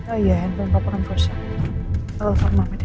oh iya handphone papa nampak usha telepon mama deh